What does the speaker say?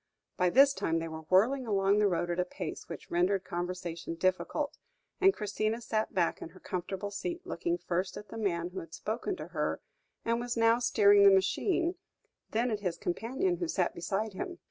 By this time they were whirling along the road at a pace which rendered conversation difficult, and Christina sat back in her comfortable seat, looking first at the man who had spoken to her, and was now steering the machine, then at his companion who sat beside him.